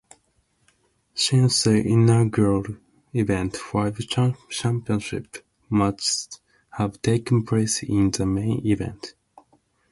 Since the inaugural event, five championship matches have taken place in the main event.